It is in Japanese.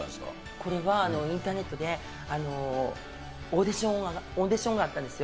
これは、インターネットで、オーディションがあったんですよ。